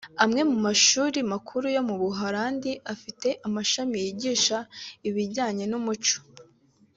Amwe mu mashuri makuru yo mu Buholandi afite amashami yigisha ibijyanye n’umuco